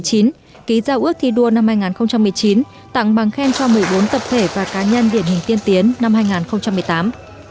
ký giao ước thi đua năm hai nghìn một mươi chín tặng bằng khen cho một mươi bốn tập thể và cá nhân điển hình tiên tiến năm hai nghìn một mươi tám